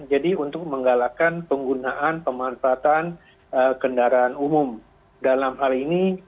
jadi untuk menggalakkan penggunaan pemanfaatan kendaraan umum dalam hal ini